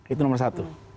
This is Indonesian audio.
itu nomor satu